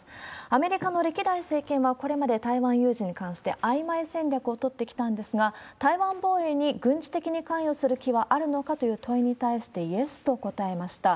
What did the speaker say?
アメリカの歴代政権は、これまで台湾有事に関して、あいまい戦略を取ってきたんですが、台湾防衛に軍事的に関与する気はあるのか？という問いに対して、イエスと答えました。